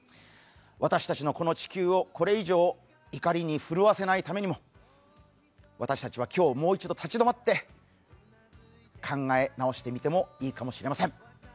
私たちのこの地球をこれ以上、怒りに震わせないためにも私たちは今日、もう一度立ち止まって考え直してみてもいいかもしれません。